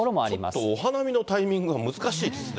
ちょっとお花見のタイミングが難しいですね。